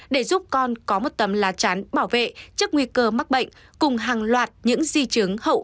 để giúp con có một tấm lá chắn bảo vệ trước nguy cơ mắc bệnh cùng hàng loạt những di chứng hậu